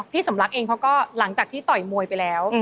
สมรักเองเขาก็หลังจากที่ต่อยมวยไปแล้ว